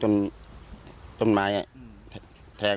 ดึงจนหมดแรง